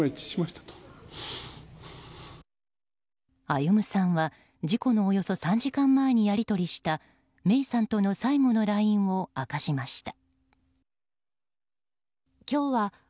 歩さんは、事故のおよそ３時間前にやり取りした芽生さんとの最後のＬＩＮＥを明かしました。